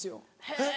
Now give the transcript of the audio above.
えっ？